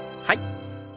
はい。